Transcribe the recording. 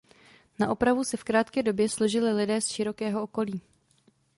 Na opravu se v krátké době složili lidé z širokého okolí.